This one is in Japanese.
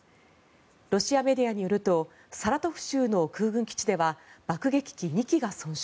ロシアメディアによるとサラトフ州の空軍基地では爆撃機２機が損傷。